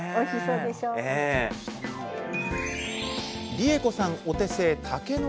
理恵子さんお手製